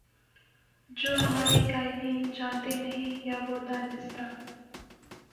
جو ہمارے قائدین جانتے نہیں یا وہ دانستہ